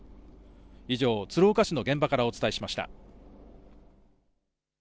以上、鶴岡市の現場からお伝えしました。